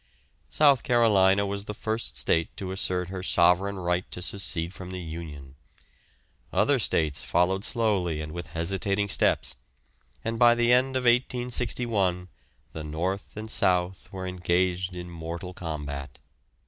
South Carolina was the first state to assert her sovereign right to secede from the union. Other states followed slowly and with hesitating steps, and by the end of 1861 the north and south were engaged in mortal combat.